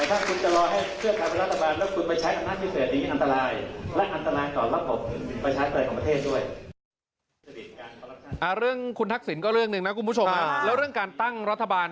แต่ถ้าคุณจะรอให้เครื่องการเป็นรัฐบาล